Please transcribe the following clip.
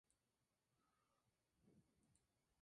Subsistió trabajando como subastador en la lonja del pescado.